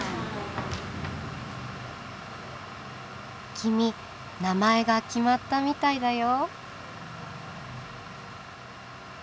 君名前が決まったみたいだよ。